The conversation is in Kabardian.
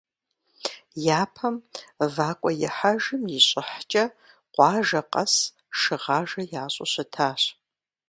Япэм вакӏуэихьэжым и щӏыхькӏэ къуажэ къэс шыгъажэ ящӏу щытащ.